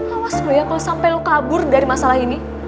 awas lo ya kalo sampe lo kabur dari masalah ini